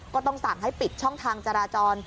ก็ต้องสั่งให้ปิดช่องทางจราจร